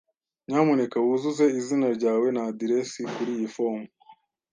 Nyamuneka wuzuze izina ryawe na aderesi kuriyi fomu.